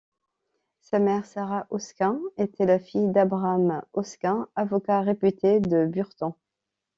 Sa mère, Sarah Hoskins, était la fille d'Abraham Hoskins, avocat réputé de Burton.